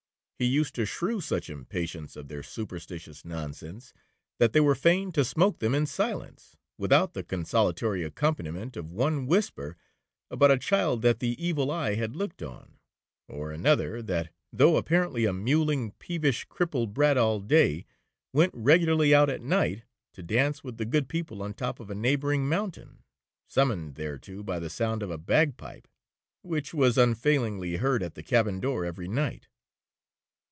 He used to shew such impatience of their superstitious nonsense, that they were fain to smoke them in silence, without the consolatory accompaniment of one whisper about a child that the evil eye had looked on, or another, that though apparently a mewling, peevish, crippled brat all day, went regularly out at night to dance with the good people on the top of a neighbouring mountain, summoned thereto by the sound of a bag pipe, which was unfailingly heard at the cabin door every night.'